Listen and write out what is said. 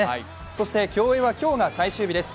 そして競泳は今日が最終日です。